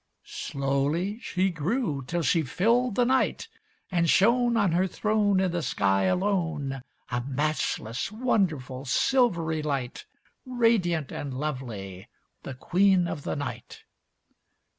Slowly she grew till she filled the night, And shone On her throne In the sky alone, A matchless, wonderful, silvery light, Radiant and lovely, the Queen of the night.